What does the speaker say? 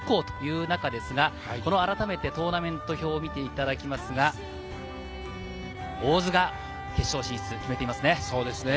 校１０校という中ですが、あらためてトーナメント表を見ていただきますが、大津が決勝進出を決めています。